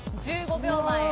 １５秒前。